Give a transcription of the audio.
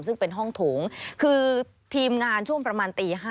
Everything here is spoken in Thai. สวัสดีค่ะสวัสดีค่ะ